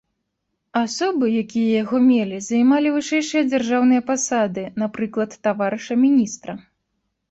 Асобы, якія яго мелі, займалі вышэйшыя дзяржаўныя пасады, напрыклад таварыша міністра.